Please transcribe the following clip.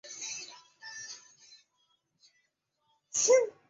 另外该报还设有地方新闻专版。